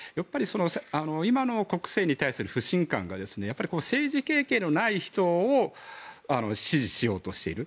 今の国政に対する不信感がやっぱり政治経験のない人を支持しようとしている。